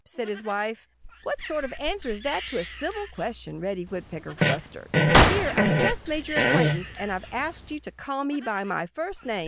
_" said his wife. "What sort of answer is that to a civil question?" Reddy Woodpecker blustered. "Here I've just made your acquaintance. And I've asked you to call me by my first name.